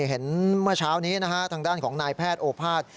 เมื่อเช้านี้นะฮะทางด้านของนายแพทย์โอภาษย์